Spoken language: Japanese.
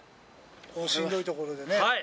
このしんどいところでね。